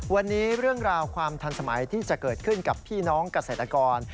วันนี้เรื่องราวความทันสมัยที่จะเกิดขึ้นกับพี่น้องเกษตรกร